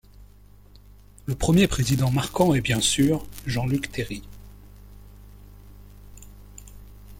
Le premier président marquant est bien sûr, Jean-Luc Théry.